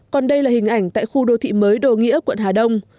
còn đây là hình ảnh tại khu đô thị mới đồ nghĩa quận hà đông